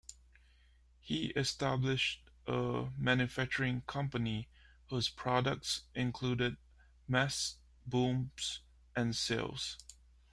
He established a manufacturing company whose products included masts, booms, and sails.